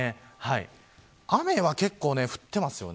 雨は結構降っています。